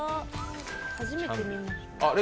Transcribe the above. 初めて見ました。